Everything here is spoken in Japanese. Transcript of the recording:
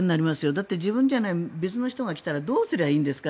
だって、自分じゃない別の人が来たらどうすればいいのか。